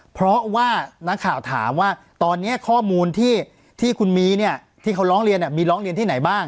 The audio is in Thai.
เพราะว่านักข่าวถามว่าตอนนี้ข้อมูลที่คุณมีเนี่ยที่เขาร้องเรียนมีร้องเรียนที่ไหนบ้าง